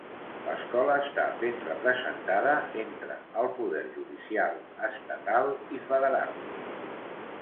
L'escola està ben representada entre el poder judicial estatal i federal.